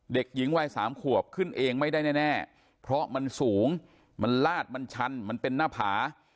เด็กหญิงวัยสามขวบขึ้นเองไม่ได้แน่เพราะมันสูงมันลาดมันชันมันเป็นหน้าผา